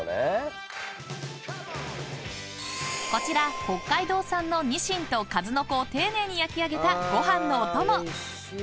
［こちら北海道産のニシンと数の子を丁寧に焼き上げたご飯のおとも］